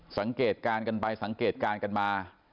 สังเกตการณ์กันไปสังเกตการณ์กันมา